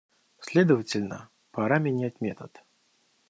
Следовательно, пора менять метод.